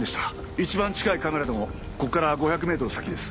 一番近いカメラでもここから５００メートル先です。